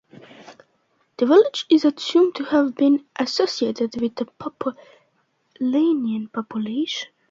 The village is assumed to have been associated with the Populonian population.